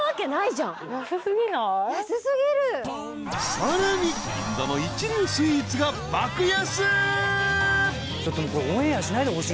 ［さらに銀座の一流スイーツが爆安］